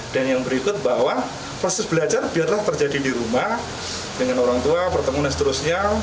dan yang berikut bahwa proses belajar biarlah terjadi di rumah dengan orang tua pertemuan dan seterusnya